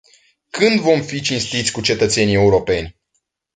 Când vom fi cinstiți cu cetățenii europeni?